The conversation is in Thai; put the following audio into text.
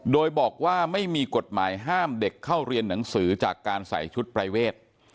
โดยบอกว่าไม่มีกฎหมายห้ามเด็กเข้าเรียนหนังสือจากการใส่ชุดปรายเวท